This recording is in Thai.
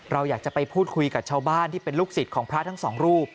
เราอยากจะไปพูดคุยกับชาวบ้านที่เป็นลูกศิษย์ของพระทั้งสองรูป